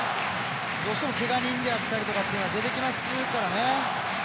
どうしてもけが人であったりとかは出てきますからね。